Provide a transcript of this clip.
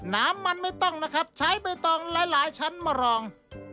ไม่ต้องนะครับใช้ใบตองหลายชั้นมารอง